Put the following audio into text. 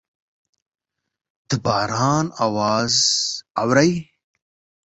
د باران اواز اورئ